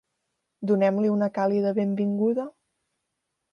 Donem-li una càlida benvinguda?